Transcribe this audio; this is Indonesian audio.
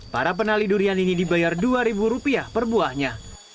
para penali durian ini dibayar dua ribu rupiah per buahnya